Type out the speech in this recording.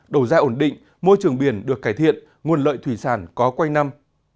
đầu dài ổn định môi trường biển được cải thiện nguồn lợi thủy sản có quay năm